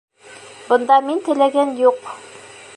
Бында мин теләгән юҡ.